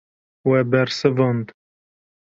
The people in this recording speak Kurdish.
We bersivand.